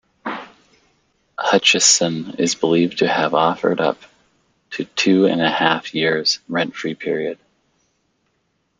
Hutchison is believed to have offered up to two-and-a-half years rent-free period.